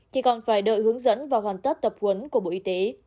thì còn phải đợi hướng dẫn và hoàn tất tập huấn của bộ y tế